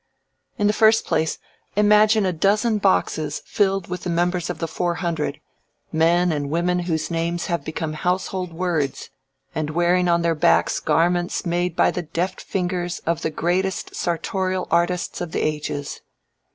In the first place, imagine a dozen boxes filled with members of the Four Hundred, men and women whose names have become household words, and wearing on their backs garments made by the deft fingers of the greatest sartorial artists of the ages.